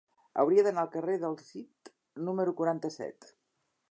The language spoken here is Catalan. Hauria d'anar al carrer del Cid número quaranta-set.